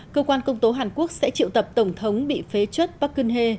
cơ quan công tố hàn quốc sẽ triệu tập tổng thống bị phế chất park geun hye